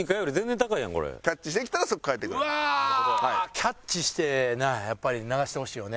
キャッチしてなあやっぱり流してほしいよね